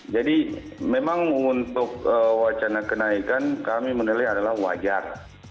jadi memang untuk wacana kenaikan kami menilai adalah wajar